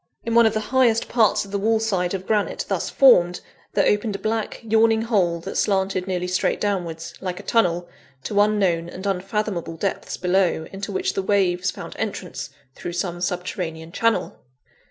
In one of the highest parts of the wall side of granite thus formed, there opened a black, yawning hole that slanted nearly straight downwards, like a tunnel, to unknown and unfathomable depths below, into which the waves found entrance through some subterranean channel.